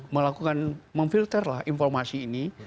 melakukan memfilter lah informasi ini